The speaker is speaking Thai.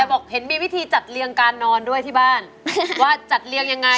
บอกเห็นมีวิธีจัดเรียงการนอนด้วยที่บ้านว่าจัดเรียงยังไง